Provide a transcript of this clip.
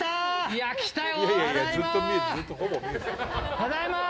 ただいまー！